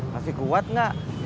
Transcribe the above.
masih kuat gak